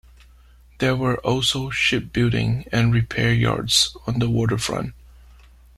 There were also shipbuilding and repair yards on the waterfront.